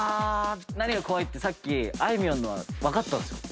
何が怖いってさっきあいみょんの分かったんですよ。